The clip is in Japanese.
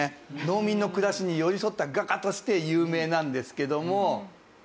農民の暮らしに寄り添った画家として有名なんですけども。